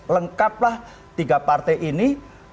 lengkaplah tiga partai ini